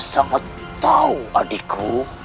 sangat tahu adikku